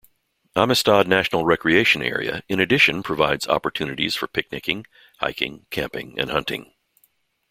Amistad National Recreation Area in addition provides opportunities for picnicking, hiking, camping and hunting.